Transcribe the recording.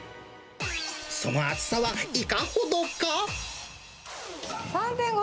その厚さはいかほどか。